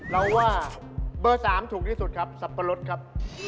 เราว่าเบอร์๓ถูกที่สุดครับสับปะรดครับ